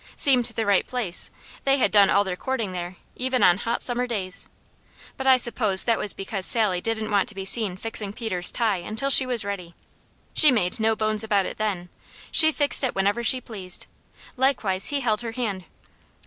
Seemed the right place. They had done all their courting there, even on hot summer days; but I supposed that was because Sally didn't want to be seen fixing Peter's tie until she was ready. She made no bones about it then. She fixed it whenever she pleased; likewise he held her hand.